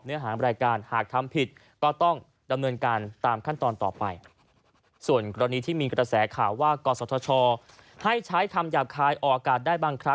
เนื้อหาลายการ